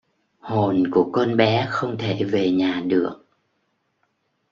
Hồn của con bé không thể về nhà được